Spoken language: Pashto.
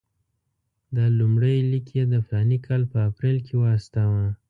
دا لومړی لیک یې د فلاني کال په اپرېل کې واستاوه.